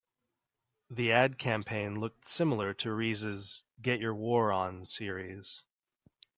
The ad campaign looked similar to Rees' "Get Your War On" series.